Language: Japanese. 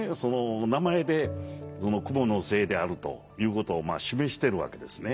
名前で蜘の精であるということを示してるわけですね。